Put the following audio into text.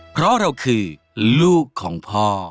เพราะเราคือลูกของพ่อ